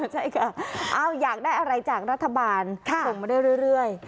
ใช่ค่ะอยากได้อะไรจากรัฐบาลส่งมาได้เรื่อย